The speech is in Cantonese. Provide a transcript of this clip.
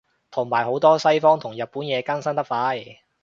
同埋好多西方同日本嘢更新得快